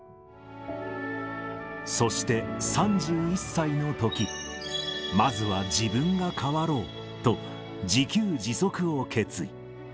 そして３１歳のとき、まずは自分が変わろうと、自給自足を決意。